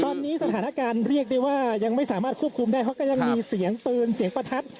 ตอนนี้สถานการณ์เรียกได้ว่ายังไม่สามารถควบคุมได้เขาก็ยังมีเสียงปืนเสียงประทัด